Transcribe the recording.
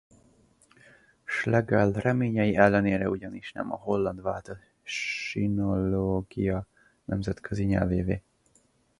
Schlegel reményei ellenére ugyanis nem a holland vált a sinológia nemzetközi nyelvévé.